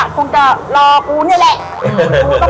คงจะรอกูนี่แหละ